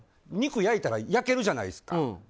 肉焼いたら焼けるじゃないですか。